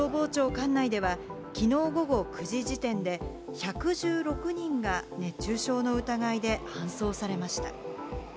管内では、きのう午後９時時点で１１６人が熱中症の疑いで搬送されました。